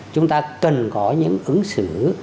chúng ta cần có những ứng xử